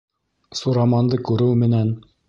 Сураманды күреү менән: